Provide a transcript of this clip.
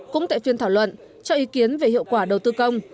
cũng tại phiên thảo luận cho ý kiến về hiệu quả đầu tư công